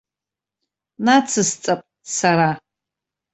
Нацысҵап сара.